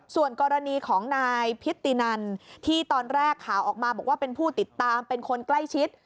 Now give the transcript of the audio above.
ส่วนกรณีของนายพิธีนันที่ตอนแรกข่าวออกมาบอกว่าเป็นผู้ติดตามเป็นคนใกล้ชิด